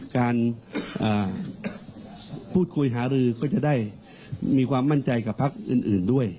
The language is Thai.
การพูดคุยหารือก็จะได้มีความมั่นใจกับพักอื่นด้วย